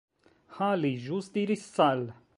Ha, li ĵus diris "Sal."